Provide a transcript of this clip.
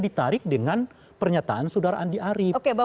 ditarik dengan pernyataan saudara andi arief